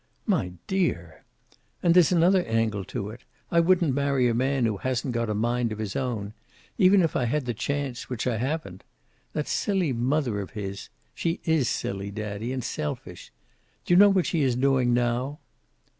"My dear!" "And there's another angle to it. I wouldn't marry a man who hasn't got a mind of his own. Even if I had the chance, which I haven't. That silly mother of his she is silly, daddy, and selfish Do you know what she is doing now?"